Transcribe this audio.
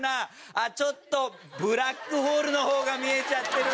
あっちょっとブラックホールの方が見えちゃってるんですけども。